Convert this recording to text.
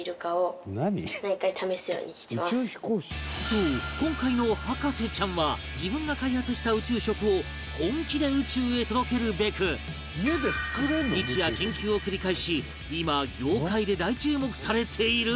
そう今回の博士ちゃんは自分が開発した宇宙食を本気で宇宙へ届けるべく日夜研究を繰り返し今業界で大注目されている